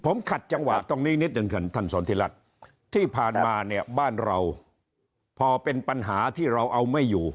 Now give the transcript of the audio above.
ผมขัดจังหวะตรงนี้นิดหนึ่งครับท่านสนทิรัฐที่ผ่านมาเนี่ยบ้านเราพอเป็นปัญหาที่เราเอาไม่อยู่